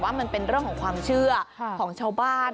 มันเป็นเรื่องของความเชื่อของชาวบ้าน